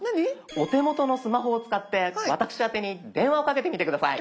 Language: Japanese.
お手元のスマホを使って私あてに電話をかけてみて下さい。